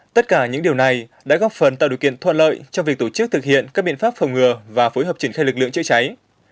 tất cả những điều này đã góp phần tạo điều kiện thuận lợi cho việc tổ chức thực hiện các biện pháp phòng ngừa và phối hợp triển khai lực lượng chữa cháy